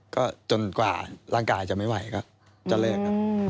ก็จนกว่าร่างกายจะไม่ไหวก็จะลือก